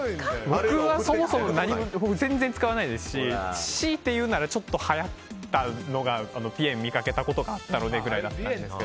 僕はそもそも全然使わないですししいていうならちょっとはやったのがぴえんが見かけたことがあったくらいで。